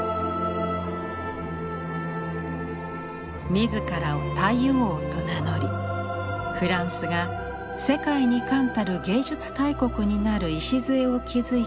自らを太陽王と名乗りフランスが世界に冠たる芸術大国になる礎を築いたルイ１４世。